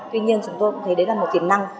tuy nhiên chúng tôi cũng thấy đấy là một tiềm năng